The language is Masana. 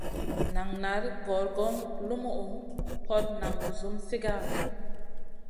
Nan nari gongor lumuʼu, hot nan gusum sigara.